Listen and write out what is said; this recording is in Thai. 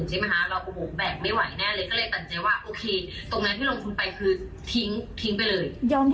ยอมเจ็บตรงนี้ดีกว่าจิบไปเรื่อย